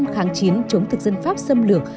kháng chiến chống thực dân pháp xâm lược